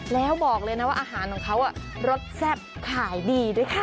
แล้วบอกเลยนะว่าอาหารของเขารสแซ่บขายดีด้วยค่ะ